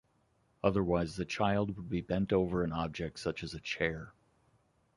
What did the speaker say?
Otherwise the child would be bent over an object such as a chair.